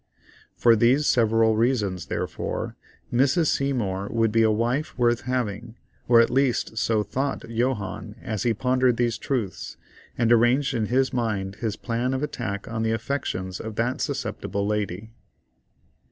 For these several reasons therefore Mrs. Seymour would be a wife worth having, or at least so thought Johannes as he pondered these truths, and arranged in his mind his plan of attack on the affections of that susceptible lady.